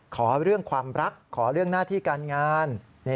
ขอเรื่องความรักขอเรื่องหน้าที่การงาน